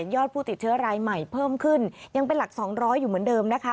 อดผู้ติดเชื้อรายใหม่เพิ่มขึ้นยังเป็นหลัก๒๐๐อยู่เหมือนเดิมนะคะ